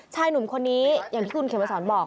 ชายหนุ่มคนนี้อย่างที่คุณเขมสอนบอก